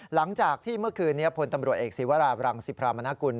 หลังจากที่เมื่อคืนนี้พลตำรวจเอกศิวราบรังสิพรามนากุล